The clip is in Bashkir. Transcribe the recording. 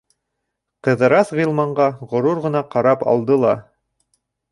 Ҡыҙырас Ғилманға ғорур ғына ҡарап алды ла: